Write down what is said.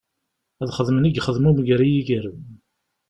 Ad xedmen i yexdem umger i yiger.